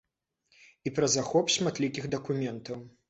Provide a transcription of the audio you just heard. І пра захоп шматлікіх дакументаў.